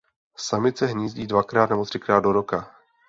Samice hnízdí dvakrát nebo třikrát do roka.